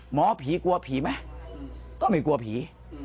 หมอผีกลัวผีไหมก็ไม่กลัวผี